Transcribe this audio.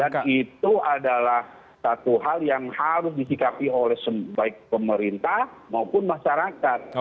dan itu adalah satu hal yang harus disikapi oleh baik pemerintah maupun masyarakat